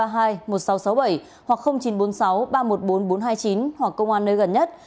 hoặc công an nơi gần nhất